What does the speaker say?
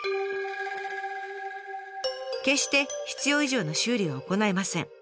決して必要以上の修理は行いません。